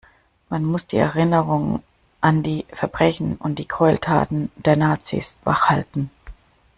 Man muss die Erinnerung an die Verbrechen und die Gräueltaten der Nazis wach halten.